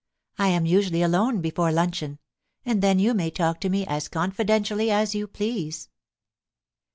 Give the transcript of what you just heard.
I am usually alone before luncheon, and then you may talk to me as confidentially as you please.